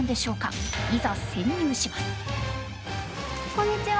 こんにちは！